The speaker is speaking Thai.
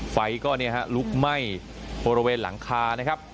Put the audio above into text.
ไฟก็ลุกไหม้บริเวณหลังคานะครับ